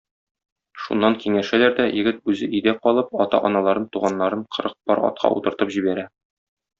Шуннан киңәшәләр дә, егет үзе өйдә калып, ата-аналарын, туганнарын кырык пар атка утыртып җибәрә.